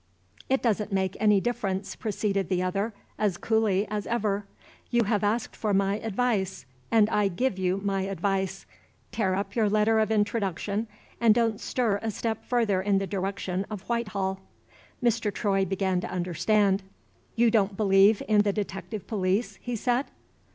"It doesn't make any difference," proceeded the other, as coolly as ever. "You have asked for my advice, and I give you my advice. Tear up your letter of introduction, and don't stir a step further in the direction of Whitehall." Mr. Troy began to understand. "You don't believe in the detective police?" he said.